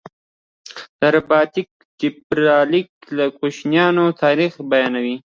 د رباتک ډبرلیک د کوشانیانو تاریخ بیانوي